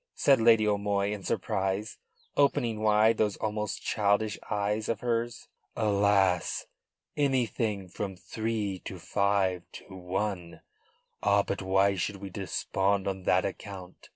said Lady O'Moy in surprise, opening wide those almost childish eyes of hers. "Alas! anything from three to five to one. Ah, but why should we despond on that account?"